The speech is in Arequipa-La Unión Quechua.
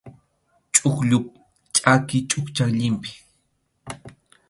Chuqllup chʼaki chukchan llimpʼi.